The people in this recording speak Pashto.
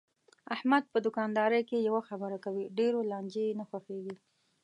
احمد په دوکاندارۍ کې یوه خبره کوي، ډېرو لانجې یې نه خوښږي.